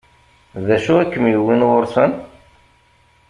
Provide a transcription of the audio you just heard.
D acu i kem-yewwin ɣur-sen?